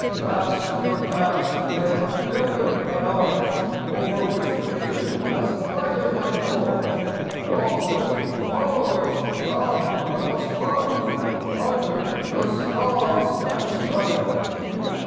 Vast in the past they have builded an arch Over which Freedom has lighted her torch. Follow it! Follow it! Come, let us march Under the stars and stripes!